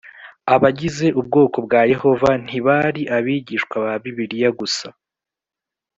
Abagize ubwoko bwa yehova ntibari abigishwa ba bibiliya gusa